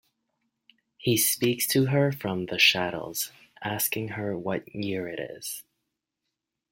He speaks to her from the shadows, asking her what year it is.